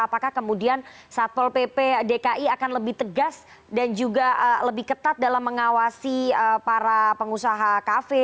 apakah kemudian satpol pp dki akan lebih tegas dan juga lebih ketat dalam mengawasi para pengusaha kafe